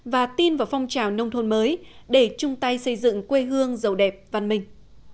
và tin vào phong trào nông thôn mới để chung tay xây dựng quê hương giàu đẹp văn minh